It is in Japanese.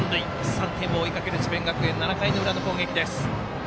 ３点を追いかける智弁学園７回の裏の攻撃。